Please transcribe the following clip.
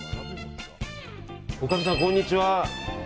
おかみさん、こんにちは。